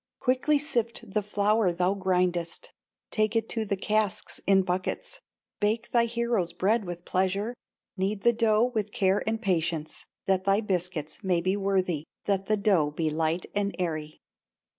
Quickly sift the flour thou grindest, Take it to the casks in buckets, Bake thy hero's bread with pleasure, Knead the dough with care and patience, That thy biscuits may be worthy, That the dough be light and airy.